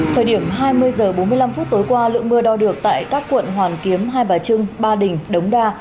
thời điểm hai mươi h bốn mươi năm tối qua lượng mưa đo được tại các quận hoàn kiếm hai bà trưng ba đình đống đa